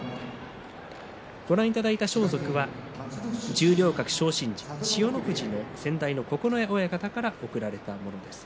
ご覧いただいた装束は十両格昇進し千代の富士の先代の九重親方から贈られたものです。